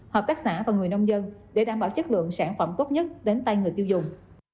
hợp tác xã và người nông dân để đảm bảo chất lượng sản phẩm tốt nhất đến tay người tiêu dùng